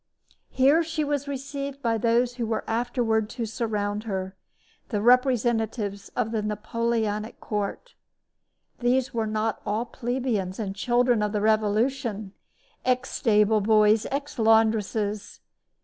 Here she was received by those who were afterward to surround her the representatives of the Napoleonic court. They were not all plebeians and children of the Revolution, ex stable boys, ex laundresses.